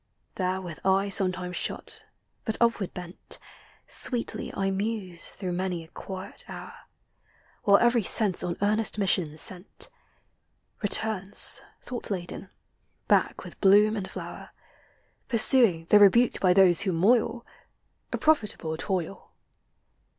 There, With eve sometimes shut, hut upward bent, Sweetly 1 muse through main a quiel hour, 198 POEMS OF XATURE. While every sense on earnest mission sent, Returns, thought laden, back with bloom and flower ; Pursuing, though rebuked by those who moil, A profitable toil.